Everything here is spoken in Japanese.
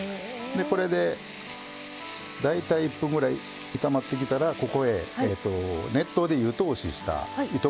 これで大体１分ぐらい炒まってきたらここへ熱湯で湯通しした糸